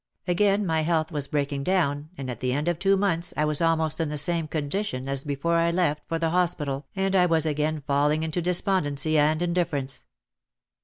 Again my health was breaking down and at the end of two months I was almost in the same condition as before I left for the hospital and I was again falling into despondency and indifference.